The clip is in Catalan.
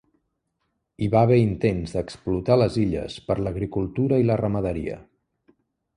Hi va haver intents d'explotar les illes per l'agricultura i la ramaderia.